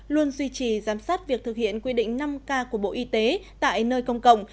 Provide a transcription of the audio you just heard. luôn duy trì giám sát việc thực hiện quy định năm k của bộ y tế tại nơi công cộng